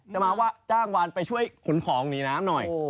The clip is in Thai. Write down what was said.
จะมาว่าจ้างวานไปช่วยขุนผองหนีน้ำหน่อย